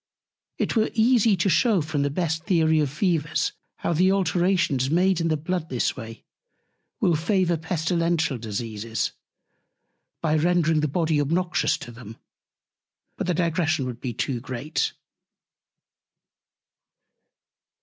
It were easy to shew from the best Theory of Fevers, how the Alterations made in the Blood this Way will favour Pestilential Diseases, by rendring the Body obnoxious to them: But the Digression would be too great.